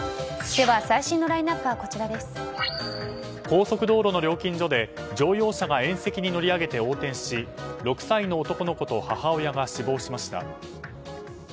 高速道路の料金所で乗用車が縁石に乗り上げて横転し６歳の男の子と母親が死亡しました。